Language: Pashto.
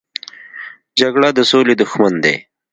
جګړه د سولې دښمن دی